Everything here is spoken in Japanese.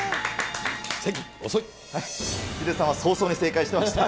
ヒデさんは早々に正解していました。